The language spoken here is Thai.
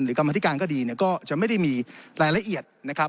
กรรมธิการก็ดีเนี่ยก็จะไม่ได้มีรายละเอียดนะครับ